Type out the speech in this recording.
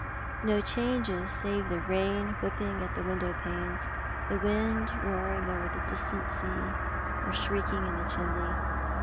No changes save the rain whipping the window panes— the wind roaring over the distant sea, or shrieking in the chimney.